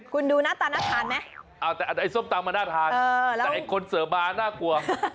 คุณดูหน้าตาน่าทานไหมส้มตำมันน่าทานแต่ไอ้คนเสิร์ฟมาน่ากลัว